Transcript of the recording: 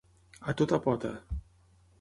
A tota pota.